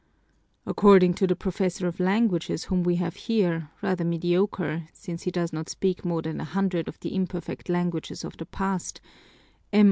According to the professor of languages whom we have here, rather mediocre, since he does not speak more than a hundred of the imperfect languages of the past, "M.